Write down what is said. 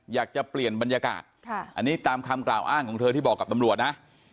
อยากจะเปลี่ยนบรรยากาศอันนี้ตามคำกล่าวอ้างของเธอที่บอกกับตำรวจนะ